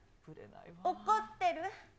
怒ってる？